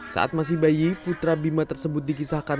saat masih bayi putra bima tersebut dikisahkan